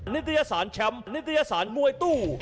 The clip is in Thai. นิตยสารแชมป์นิตยสารมวยตู้